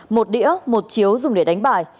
một đĩa một chiếu dùng để đánh bài